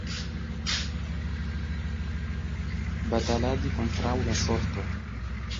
Bataladi kontraŭ la sorto.